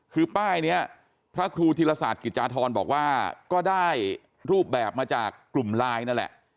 คือป้ายนี้พระครูธีรศาสตร์กิจจาธรบอกว่าก็ได้รูปแบบมาจากกลุ่มไลน์นั่นแหละ